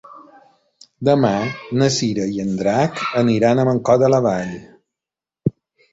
Demà na Cira i en Drac aniran a Mancor de la Vall.